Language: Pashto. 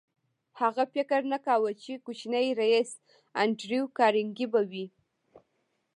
هغه فکر نه کاوه چې کوچنی ريیس انډریو کارنګي به وي